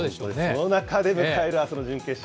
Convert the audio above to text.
その中で迎えるあすの準決勝。